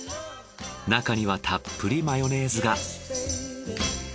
中にはたっぷりマヨネーズが。